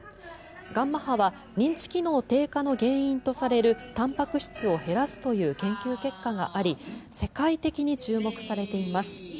ガンマ波は認知機能の低下の原因とされるたんぱく質を減らすという研究結果があり世界的に注目されています。